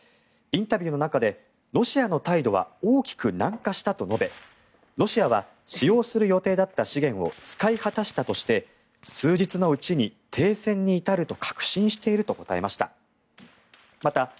インタビューの中でロシアの態度は大きく軟化したと述べロシアは使用する予定だった資源を使い果たしたとして数日のうちに停戦に至ると確信していると答えました。